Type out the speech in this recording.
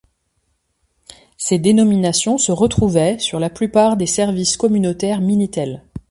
Ces dénominations se retrouvaient sur la plupart des services communautaires Minitel.